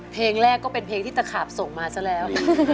เพลงแรกก็เป็นเพลงที่ตะขาบส่งมาซะแล้ว